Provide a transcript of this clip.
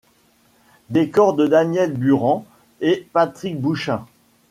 Décor de Daniel Buren et Patrick Bouchain.